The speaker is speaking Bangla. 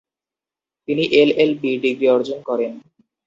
তিনি এল.এল.বি ডিগ্রি অর্জন করেন।